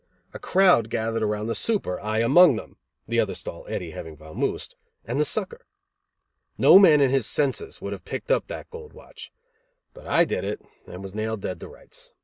A crowd gathered around the super, I among them, the other stall, Eddy having vamoosed, and the sucker. No man in his senses would have picked up that gold watch. But I did it and was nailed dead to rights.